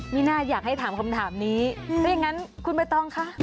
นี่น่าอยากให้ถามคำถามนี้แล้วยังงั้นคุณเบตองคะ